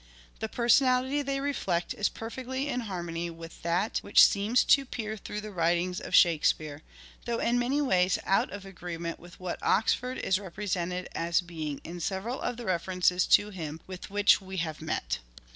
The per sonality they reflect is perfectly in harmony with that which seems to peer through the writings of Shake speare, though in many ways out of agreement with what Oxford is represented as being in several of the references to him with which we have met.